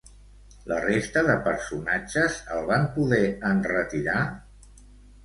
La resta de personatges el van poder enretirar?